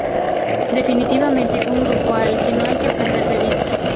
Definitivamente un grupo al que no hay que perder de vista.